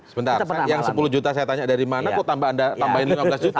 sebentar yang sepuluh juta saya tanya dari mana kok anda tambahin lima belas juta